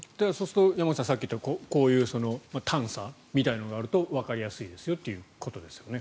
そうすると山口さんがさっき言ったＴａｎｓａみたいなものがあるとわかりやすいですよってことですよね。